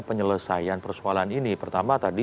penyelesaian persoalan ini pertama tadi